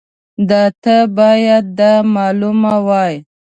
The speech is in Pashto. ده ته باید دا معلومه وای.